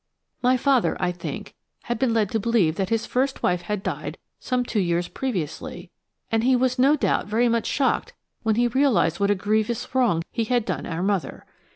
My father, I think, had been led to believe that his first wife had died some two years previously, and he was no doubt very much shocked when he realised what a grievous wrong he had done our mother.